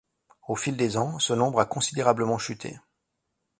Au fil des ans, ce nombre a considérablement chuté.